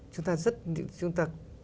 chúng ta rất